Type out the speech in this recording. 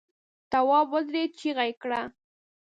تواب ودرېد، چيغه يې کړه!